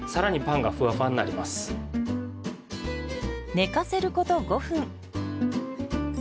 寝かせること５分。